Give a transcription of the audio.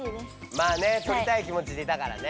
まあねとりたい気もちでいたからね。